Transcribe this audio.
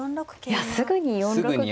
いやすぐに４六桂と。